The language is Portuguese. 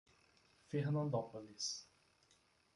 Fernandópolis